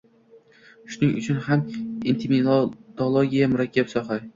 Shuning uchun ham etimologiya – murakkab soha.